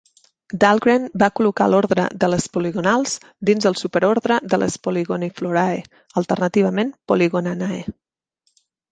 Dahlgren va col·locar l'ordre de les Poligonals dins del superordre de les Poligoniflorae, alternativament Poligonanae.